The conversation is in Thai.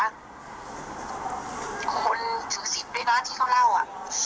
คนถือ๑๐ด้วยนะที่เขาเล่าอ่ะ